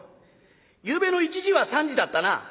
「ゆうべの１時は３時だったな？」。